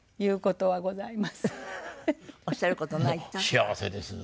幸せです。